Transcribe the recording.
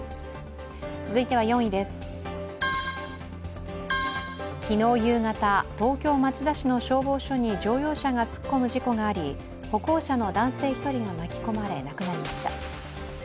続いては４位です、昨日夕方、東京・町田市の消防署に乗用車が突っ込む事故があり歩行者の男性１人が巻き込まれ、亡くなりました。